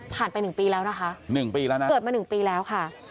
ไป๑ปีแล้วนะคะ๑ปีแล้วนะเกิดมา๑ปีแล้วค่ะ